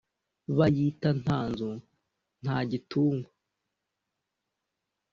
Bayita nta nzu nta gitungwa